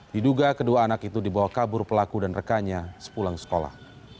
diduga kedua anak itu dibawa kabur pelaku dan rekannya sepulang sekolah